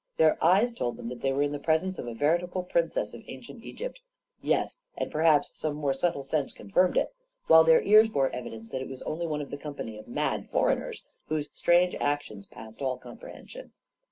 Their eyes told them that they were in the presence of a veritable princess of ancient Egypt — yes, and per haps some more subtle sense confirmed it; while their ears bore evidence that it was only one of the com pany of mad foreigners, whose strange actions passed all comprehension.